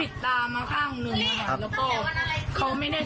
เขาปิดตามาข้างหนึ่งแล้วก็เขาไม่ได้สติ